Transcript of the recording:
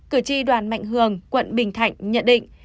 cử tri đoàn mạnh hường quận bình thạnh nhận định